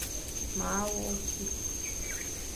Maa wok ki.